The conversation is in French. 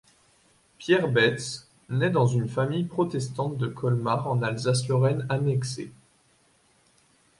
Pierre Betz naît dans une famille protestante de Colmar en Alsace-Lorraine annexée.